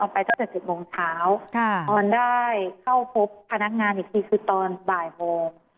ไปตั้งแต่๗โมงเช้าออนได้เข้าพบพนักงานอีกทีคือตอนบ่ายโมง